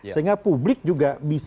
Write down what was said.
sehingga publik juga bisa